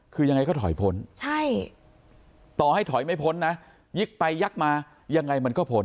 คือยังไงก็ถอยพ้นใช่ต่อให้ถอยไม่พ้นนะยิกไปยักมายังไงมันก็พ้น